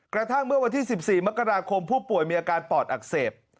กระทั่งเมื่อวันที่๑๔มกราคมผู้ป่วยมีอาการปอดอักเสบ